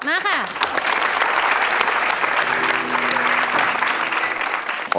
นะค่ะ